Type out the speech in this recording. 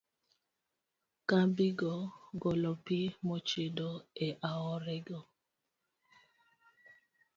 Kambigo golo pi mochido e aorego.